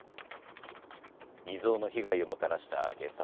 未曽有の被害をもたらした原発事故。